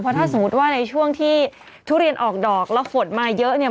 ถ้าสมมุติว่าในช่วงที่ทุเรียนออกดอกแล้วฝนมาเยอะเนี่ย